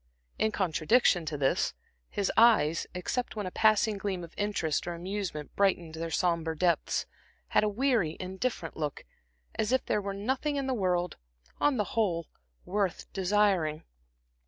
In contradiction to this, his eyes, except when a passing gleam of interest or amusement brightened their sombre depths, had a weary indifferent look, as if there were nothing in the world, on the whole, worth desiring.